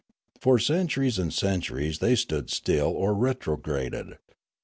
For centuries and centuries they stood still or retrograded.